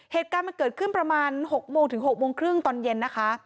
เหตุการณ์มันเกิดขึ้นประมาณ๖โมงถึง๖โมงครึ่งตอนเย็นนะคะ